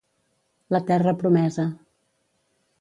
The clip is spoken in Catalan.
La terra promesa.